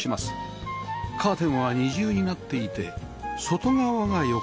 カーテンは二重になっていて外側が横じま内側が縦じま